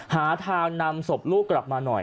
หาทางนำศพลูกกลับมาหน่อย